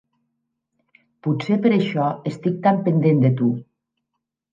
Potser per això estic tan pendent de tu.